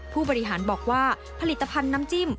ผู้บริหารบอกว่าผลิตภัณฑ์น้ำจิ้ม